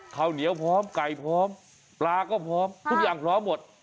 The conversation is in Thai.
ข้าวเหนียวพร้อมไก่พร้อมปลาก็พร้อมทุกอย่างพร้อมหมด